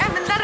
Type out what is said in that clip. eh bentar ya